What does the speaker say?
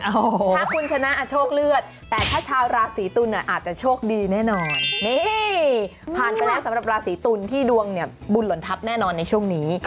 ถ้าคุณชนะโชคเลือดแต่ถ้าชาวราศีตุลอาจจะโชคดีแน่นอนนี่ผ่านไปแล้วสำหรับราศีตุลที่ดวงเนี่ยบุญหล่นทัพแน่นอนในช่วงนี้